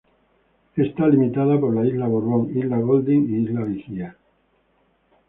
Está limitada por la isla Borbón, isla Golding y isla Vigía.